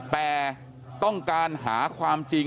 แต่ต้องการหาความจริง